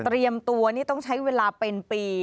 ตัวนี่ต้องใช้เวลาเป็นปี